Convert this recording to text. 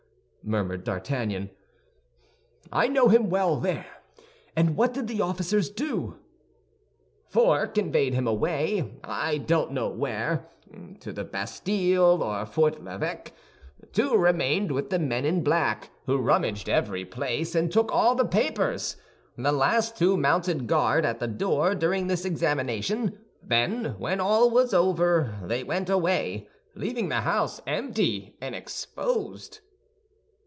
murmured D'Artagnan. "I know him well there! And what did the officers do?" "Four conveyed him away, I don't know where—to the Bastille or Fort l'Evêque. Two remained with the men in black, who rummaged every place and took all the papers. The last two mounted guard at the door during this examination; then, when all was over, they went away, leaving the house empty and exposed."